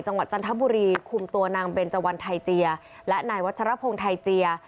จันทบุรีคุมตัวนางเบนเจวันไทยเจียและนายวัชรพงศ์ไทยเจีย